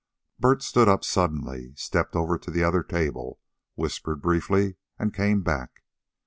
Bert stood up suddenly, stepped over to the other table, whispered briefly, and came back.